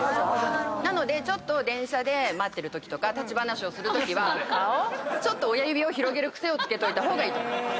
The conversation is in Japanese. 電車で待ってるときとか立ち話をするときはちょっと親指を広げる癖をつけといた方がいいと思います。